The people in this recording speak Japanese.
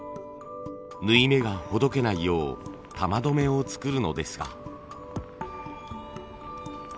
縫い目がほどけないよう玉どめを作るのですが。